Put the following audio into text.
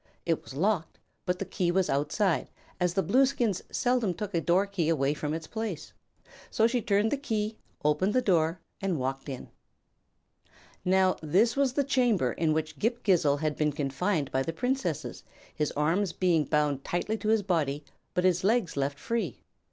It was locked, but the key was outside, as the Blueskins seldom took a door key away from its place. So she turned the key, opened the door, and walked in. Now, this was the chamber in which Ghip Ghisizzle had been confined by the Princesses, his arms being bound tight to his body but his legs left free.